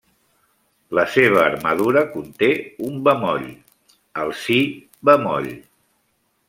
La seva armadura conté un bemoll, el si bemoll.